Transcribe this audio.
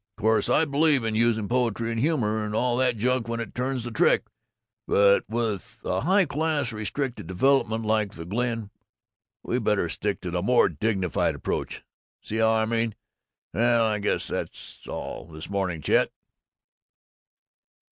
Course I believe in using poetry and humor and all that junk when it turns the trick, but with a high class restricted development like the Glen we better stick to the more dignified approach, see how I mean? Well, I guess that's all, this morning, Chet."